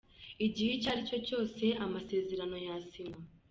Igihe icyo aricyo cyose amasezerano yasinywa.